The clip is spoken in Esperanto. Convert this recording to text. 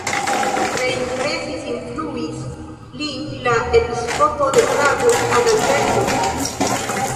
Tre impresis, influis lin la episkopo de Prago, Adalberto.